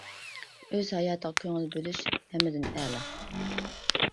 ئۆز ھاياتىغا كۆڭۈل بۆلۈش ھەممىدىن ئەلا.